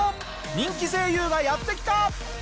人気声優がやって来た！